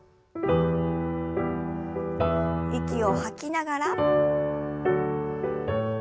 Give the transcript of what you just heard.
息を吐きながら。